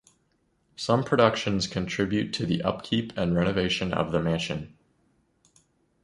Some productions contribute to the upkeep and renovation of the mansion.